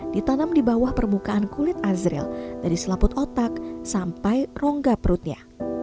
ditanam di bawah permukaan kulit azril dari selaput otak sampai rongga perutnya